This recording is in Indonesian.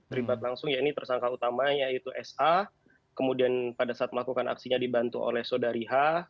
terlibat langsung ya ini tersangka utama yaitu sa kemudian pada saat melakukan aksinya dibantu oleh saudari h